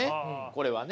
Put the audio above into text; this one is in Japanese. これはね。